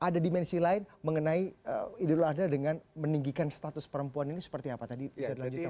ada dimensi lain mengenai idul adha dengan meninggikan status perempuan ini seperti apa tadi bisa dilanjutkan